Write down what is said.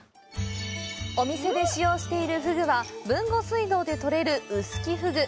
お店で使用しているふぐは豊後水道で取れる臼杵ふぐ。